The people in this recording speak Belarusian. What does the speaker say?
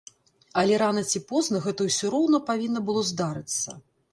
Але рана ці позна гэта ўсё роўна павінна было здарыцца.